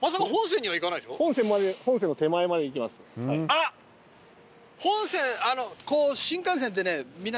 あっ本線。